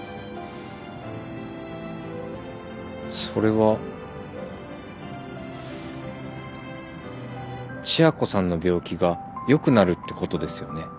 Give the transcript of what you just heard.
それは千夜子さんの病気が良くなるってことですよね？